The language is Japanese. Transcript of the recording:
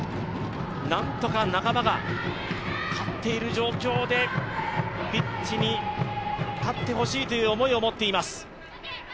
何とか仲間が勝っている状況でピッチに立ってほしいという思いを持っています。